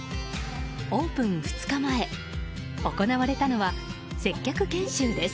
オープン２日前行われたのは接客研修です。